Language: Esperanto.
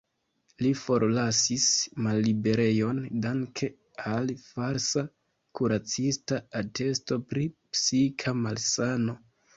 Li forlasis malliberejon danke al falsa kuracista atesto pri psika malsano.